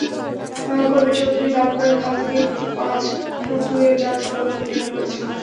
খবির চৌধুরী দাবি করেন, খাল থেকে পাঁচ ফুট দূরে চারতলা ভবন নির্মাণ করেছেন।